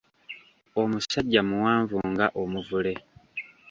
Omusajja muwanvu nga Omuvule.